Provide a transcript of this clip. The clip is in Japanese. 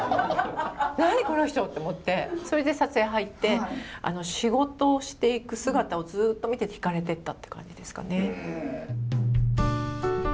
この人って思ってそれで撮影入って仕事をしていく姿をずっと見て引かれてったって感じですかね。